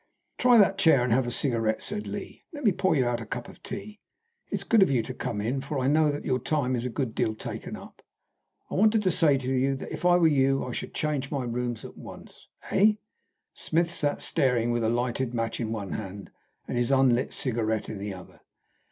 "Try that chair and have a cigarette," said Lee. "Let me pour you out a cup of tea. It's so good of you to come in, for I know that your time is a good deal taken up. I wanted to say to you that, if I were you, I should change my rooms at once." "Eh?" Smith sat staring with a lighted match in one hand and his unlit cigarette in the other.